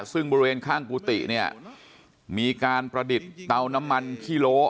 ซึ่งบริเวณข้างกุฏิเนี่ยมีการประดิษฐ์เตาน้ำมันขี้โล